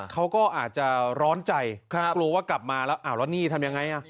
เขาก็อาจจะร้อนใจกลัวว่ากลับมาแล้วอ้าวแล้วนี่ทำยังไง